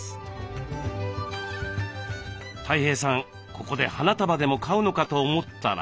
ここで花束でも買うのかと思ったら。